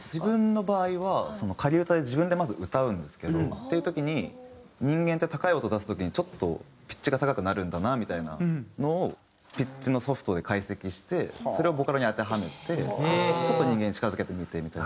っていう時に人間って高い音出す時にちょっとピッチが高くなるんだなみたいなのをピッチのソフトで解析してそれをボカロに当てはめてちょっと人間に近付けてみてみたり。